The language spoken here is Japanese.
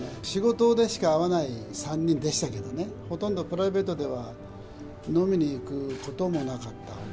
仕事でしか会わない３人でしたけどね、ほとんどプライベートでは飲みに行くこともなかった。